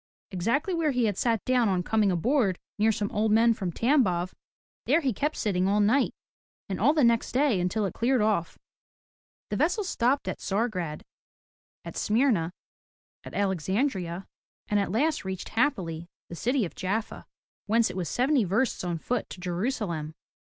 Exactly where he had sat down on coming aboard, near some old men from Tambof , there he kept sitting all night, and all the next day until it cleared off. The vessel stopped at Tsar grad, at Smyrna, and Alexandria, and at last reached happily, the city of Jaffa, whence it was seventy versts on foot to Jerusalem.